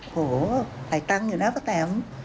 โหไหนเงินอยู่นะพระแต่ม